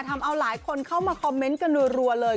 ทำเอาหลายคนเข้ามาคอมเมนต์กันรัวเลย